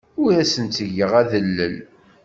Ur asen-ttgeɣ adellel.